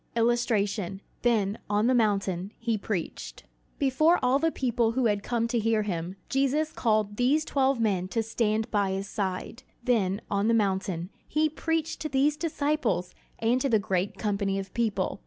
[Illustration: Then, on the mountain, he preached] Before all the people who had come to hear him, Jesus called these twelve men to stand by his side. Then, on the mountain, he preached to these disciples and to the great company of people.